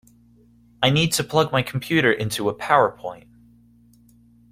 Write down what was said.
I need to plug my computer into a power point